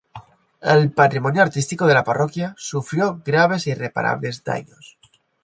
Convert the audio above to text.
El patrimonio artístico de la parroquia sufrió graves e irreparables daños.